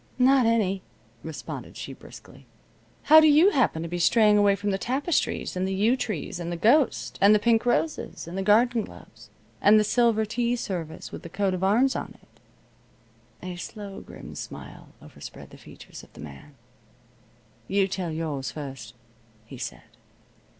"Not any," responded she, briskly. "How do you happen to be straying away from the tapestries, and the yew trees and the ghost, and the pink roses, and the garden gloves, and the silver tea service with the coat of arms on it?" A slow, grim smile overspread the features of the man. "You tell yours first," he said.